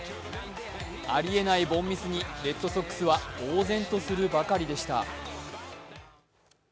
ありえない凡ミスにレッドソックスはぼう然とするばかりでした。